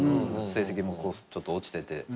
成績もこうちょっと落ちてて。